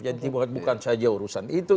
jadi bukan saja urusan itu